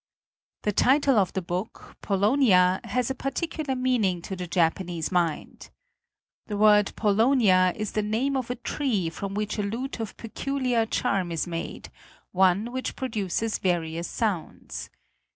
The title of the book, "Paulownia," has a particular meaning to the Japan xxii INTRODUCTION ese mind. The word paulownia is the name of a tree from which a lute of peculiar charm is made, one which pro duces various sounds.